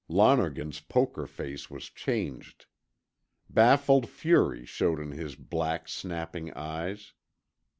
Lonergan's poker face was changed. Baffled fury showed in his black, snapping eyes.